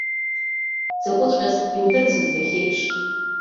Дзакәыҵәҟьаз имдырцызт иахьеиԥш.